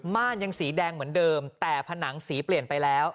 ่านยังสีแดงเหมือนเดิมแต่ผนังสีเปลี่ยนไปแล้ว